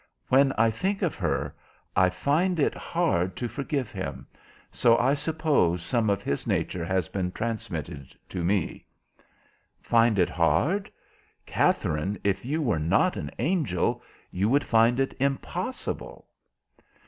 When I think of her I find it hard to forgive him, so I suppose some of his nature has been transmitted to me." "Find it hard? Katherine, if you were not an angel you would find it impossible."